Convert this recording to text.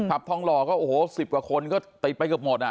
ทองหล่อก็โอ้โห๑๐กว่าคนก็ติดไปเกือบหมดอ่ะ